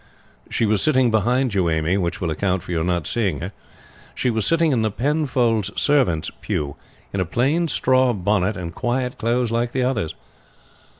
"She was sitting behind you, Amy, which will account for your not seeing her. She was sitting in the Penfolds servants' pew, in a plain straw bonnet and quiet clothes like the others."